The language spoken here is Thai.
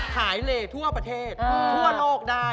เลทั่วประเทศทั่วโลกได้